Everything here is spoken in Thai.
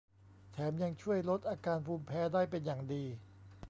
แถมยังช่วยลดอาการภูมิแพ้ได้เป็นอย่างดี